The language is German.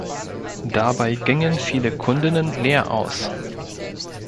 Dabei gingen viele Kundinnen leer aus.